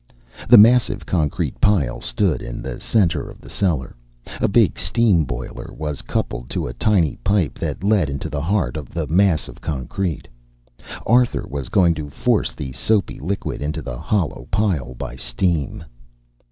The massive concrete pile stood in the center of the cellar. A big steam boiler was coupled to a tiny pipe that led into the heart of the mass of concrete. Arthur was going to force the soapy liquid into the hollow pile by steam.